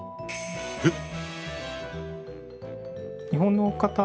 えっ？